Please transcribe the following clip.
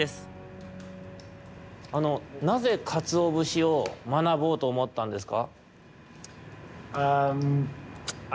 あのなぜかつおぶしをまなぼうとおもったんですか？